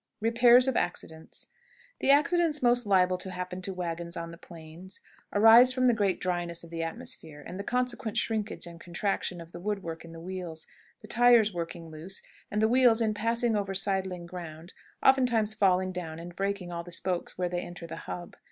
REPAIRS OF ACCIDENTS. The accidents most liable to happen to wagons on the plains arise from the great dryness of the atmosphere, and the consequent shrinkage and contraction of the wood work in the wheels, the tires working loose, and the wheels, in passing over sidling ground, oftentimes falling down and breaking all the spokes where they enter the hub.